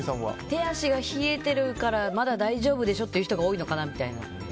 手足が冷えてるからまだ大丈夫でしょっていう人が多いのかなみたいな。